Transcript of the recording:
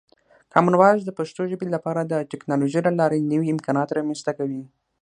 کامن وایس د پښتو ژبې لپاره د ټکنالوژۍ له لارې نوې امکانات رامنځته کوي.